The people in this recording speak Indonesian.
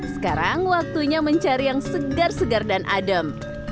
sekarang waktunya mencari yang segar segar dan adem